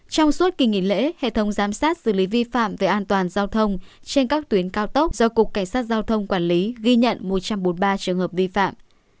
trong suốt kỳ nghỉ lễ hệ thống giám sát xử lý vi phạm về an toàn giao thông trên các tuyến cao tốc do cục cảnh sát giao thông quản lý ghi nhận một trăm bốn mươi ba trường hợp vi phạm